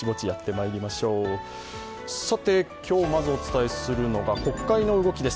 今日まずお伝えするのが国会の動きです。